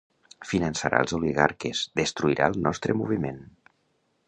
Finançarà els oligarques, destruirà el nostre moviment!